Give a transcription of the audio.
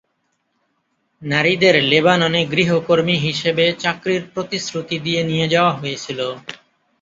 নারীদের লেবাননে গৃহকর্মী হিসেবে চাকরির প্রতিশ্রুতি দিয়ে নিয়ে যাওয়া হয়েছিল।